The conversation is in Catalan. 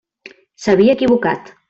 S'havia equivocat.